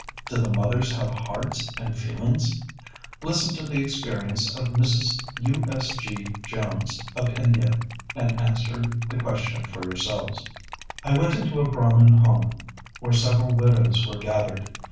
Do the mothers have hearts and feelings? Listen to the experience of Mrs. U. S. G. Jones of India, and answer the question for yourselves. "I went into a Brahmin home where several widows were gathered.